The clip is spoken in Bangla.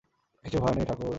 কিছু ভয় নেই ঠাকুর!